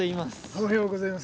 おはようございます。